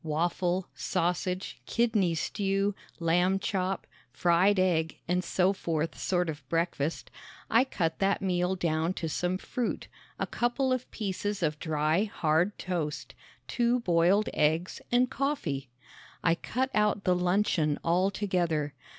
waffle, sausage, kidney stew, lamb chop, fried egg and so forth sort of breakfast, I cut that meal down to some fruit, a couple of pieces of dry, hard toast, two boiled eggs and coffee. I cut out the luncheon altogether.